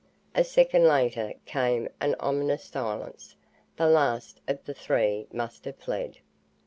A second later came an ominous silence. The last of the three must have fled.